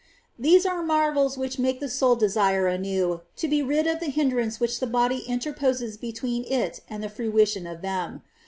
These are marvels which make the soul desire anew to be rid of the hindrance which the body interposes between it and the fruition of them.